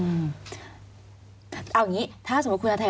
มันจอดอย่างง่ายอย่างง่ายอย่างง่าย